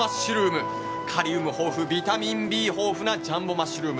カリウム豊富ビタミンＢ豊富なジャンボマッシュルーム。